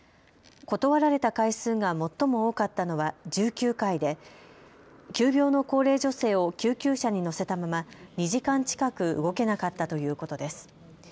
断られた回数が最も多かったのは１９回で急病の高齢女性を救急車に乗せたまま２時間近く動けなかったということです。